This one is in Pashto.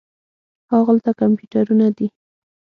هاغلته کمپیوټرونه دي.